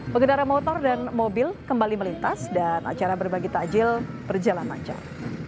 pengendara motor dan mobil kembali melintas dan acara berbagi takjil berjalan lancar